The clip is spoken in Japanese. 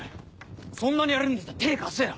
そんなにやれるんだったら手貸せよ！